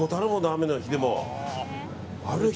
雨の日でも。